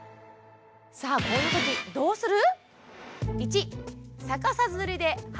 さあこういう時どうする？